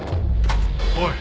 おい！